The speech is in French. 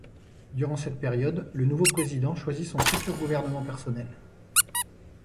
Durant cette période, le nouveau président choisit son futur gouvernement personnel.